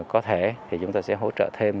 có thể thì chúng ta sẽ hỗ trợ thêm